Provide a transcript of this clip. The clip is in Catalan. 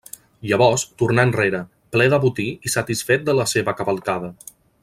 Llavors tornà enrere, ple de botí i satisfet de la seva cavalcada.